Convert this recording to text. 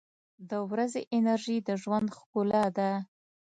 • د ورځې انرژي د ژوند ښکلا ده.